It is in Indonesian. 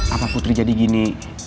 apa putri jadi gini